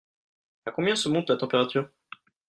À combien se monte la température ?